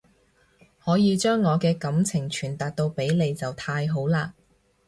可以將我嘅感情傳達到俾你就太好喇